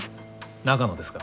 長野ですか？